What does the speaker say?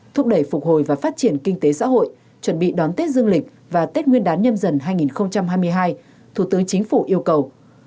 thúc đẩy phục hồi và phát triển kinh tế xã hội chuẩn bị đón tết dương lịch và tết nguyên đán nhâm dần hai nghìn hai mươi hai thủ tướng chính phủ yêu cầu